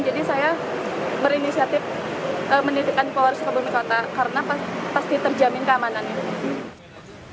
jadi saya berinisiatif menitipkan polres sukabumi kota karena pasti terjamin keamanannya